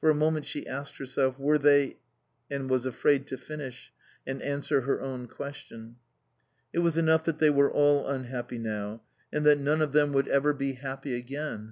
For a moment she asked herself, "Were they ?" and was afraid to finish and answer her own question. It was enough that they were all unhappy now and that none of them would ever be happy again.